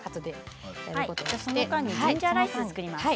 その間にジンジャーライスを作ります。